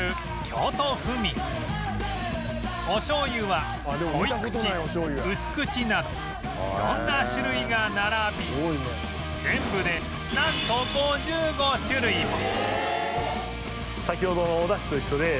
お醤油は濃い口薄口など色んな種類が並び全部でなんと５５種類も